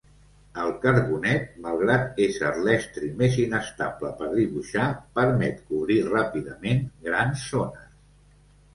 El carbonet, malgrat ésser l'estri més inestable per dibuixar, permet cobrir ràpidament grans zones.